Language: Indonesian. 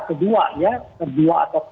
kedua ya kedua atau